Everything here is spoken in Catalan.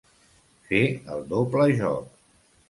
Fer el doble joc.